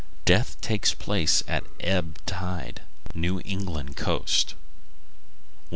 Death takes place at ebb tide. New England Coast. 1185.